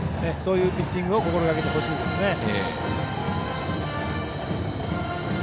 そういうピッチングを心がけてほしいですね。